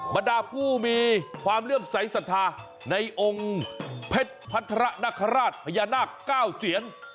บรรดาผู้มีความเลื่อมใสสัทธาในองค์เพชรพัฒระนคราชพญานาคเก้าเซียน